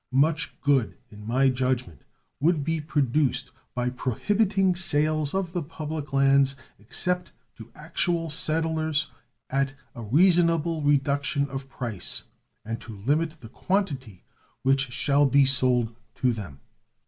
Much good, in my judgment, would be produced by prohibiting sales of the public lands except to actual settlers at a reasonable reduction of price, and to limit the quantity which shall be sold to them.